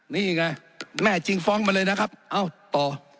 นี่ไงแม่จึงฟ้องมาเลยนะครับเอ้าต่อ